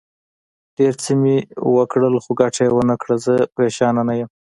ډېر څه مې وکړل، خو ګټه یې ونه کړه، زه پرېشانه نه یم.